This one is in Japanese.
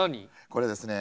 これですね